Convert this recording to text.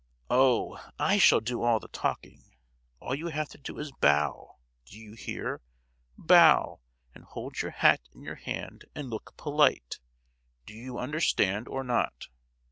"Oh, I shall do all the talking. All you have to do is to bow. Do you hear? Bow; and hold your hat in your hand and look polite. Do you understand, or not?"